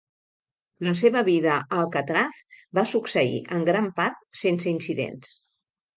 La seva vida a Alcatraz va succeir, en gran part, sense incidents.